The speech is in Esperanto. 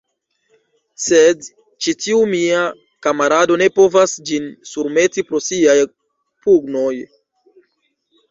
Sed ĉi tiu mia kamarado ne povas ĝin surmeti pro siaj pugnoj.